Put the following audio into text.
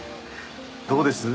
どうです？